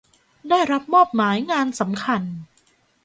ได้รับมอบหมายงานสำคัญ